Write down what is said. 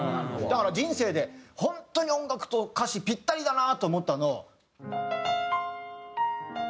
だから人生で本当に音楽と歌詞ピッタリだなと思ったの。